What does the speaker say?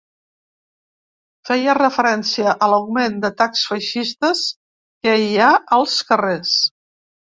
Feia referència a l’augment d’atacs feixistes que hi ha als carrers.